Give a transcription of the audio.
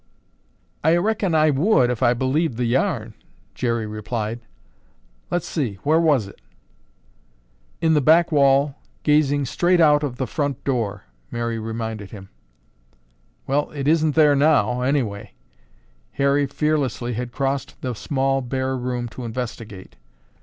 "I reckon I would, if I believed the yarn," Jerry replied. "Let's see! Where was it?" "In the back wall, gazing straight out of the front door," Mary reminded him. "Well, it isn't there now anyway." Harry fearlessly had crossed the small bare room to investigate.